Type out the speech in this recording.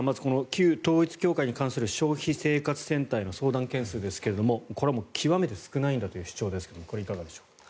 旧統一教会に関する消費生活センターへの相談件数ですがこれは極めて少ないんだという主張ですがこれはいかがでしょうか？